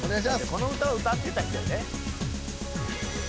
この歌歌ってた人やで。